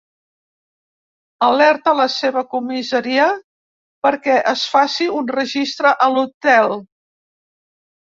Alerta la seva comissaria perquè es faci un registre a l’hotel.